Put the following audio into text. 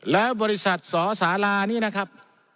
แล้วบริษัทสอสารานี้นะครับ